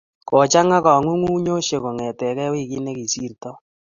Kochang'a kang'ungng'unyosyek kong'te wikit ne kisirtoi.